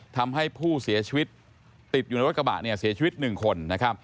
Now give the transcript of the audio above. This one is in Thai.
ทำให้ผู้เสียชีวิตติดอยู่ในรถกระบะเสียชีวิต๑คน